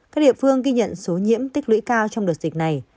các địa phương ghi nhận số nhiễm tích lũy cao trong đợt dịch này